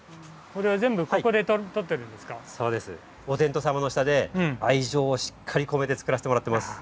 おてんとさまの下で愛情をしっかり込めて作らせてもらってます。